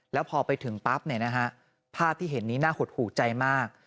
แล้วพอไปถึงปั๊บภาพที่เห็นนี้น่าหดหูใจมาก